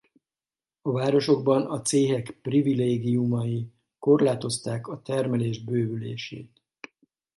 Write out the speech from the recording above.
A városokban a céhek privilégiumai korlátozták a termelés bővülését.